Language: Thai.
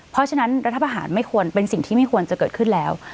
เพราะฉะนั้นรัฐประหารไม่ควรเป็นสิ่งที่ไม่ควรจะเกิดขึ้นแล้ว